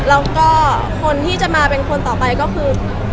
แล้วก็คนที่จะมาเป็นคนต่อไปก็คือ